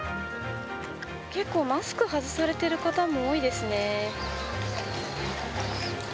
結構、マスク外されてる方も多いですね。